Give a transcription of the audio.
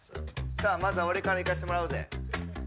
まずは俺から行かせてもらうぜ。